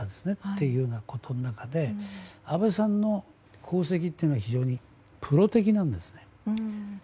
という中で安倍さんの功績というのは非常にプロ的なんですね。